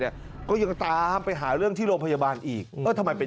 ก็ยังตามไปหาเรื่องที่โรงพยาบาลอีกเออทำไมเป็น